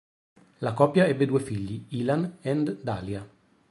La coppia ebbe due figli, Ilan and Dalia.